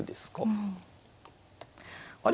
あれ？